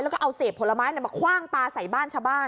แล้วก็เอาเศษผลไม้มาคว่างปลาใส่บ้านชาวบ้าน